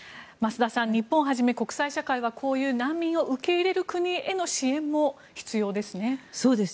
増田さん、日本をはじめ国際社会はこういう難民を受け入れる国への支援も必要ですね。